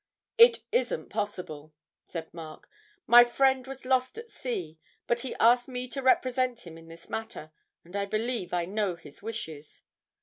'It isn't possible,' said Mark, 'my friend was lost at sea, but he asked me to represent him in this matter, and I believe I know his wishes.'